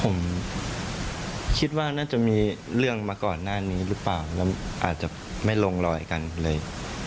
ผมคิดว่าน่าจะมีเรื่องมาก่อนหน้านี้หรือเปล่าแล้วอาจจะไม่ลงรอยกันเลย